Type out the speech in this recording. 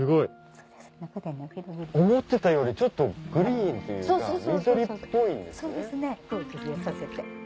思ってたよりちょっとグリーンというか緑っぽいんですね。